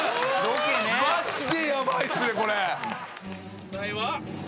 マジでヤバいっすねこれ。